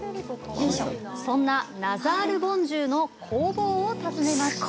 そんなナザールボンジュウの工房を訪ねました。